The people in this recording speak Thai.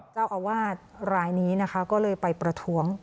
เจ้าอาวาสรายนี้นะคะก็เลยไปประท้วง